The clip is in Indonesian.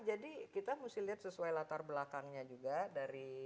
jadi kita mesti lihat sesuai latar belakangnya juga dari